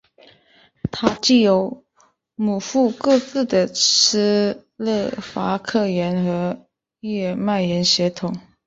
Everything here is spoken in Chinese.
他具有母父各自的斯洛伐克人和日耳曼人血统。